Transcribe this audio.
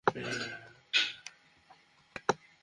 উপরওয়ালা কে কী দেখাবো আমি?